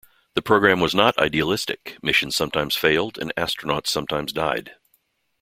The program was not idealistic; missions sometimes failed and astronauts sometimes died.